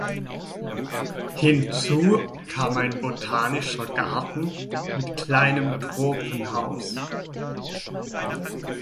Hinzu kam ein botanischer Garten mit kleinem Tropenhaus.